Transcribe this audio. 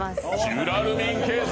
ジュラルミンケース！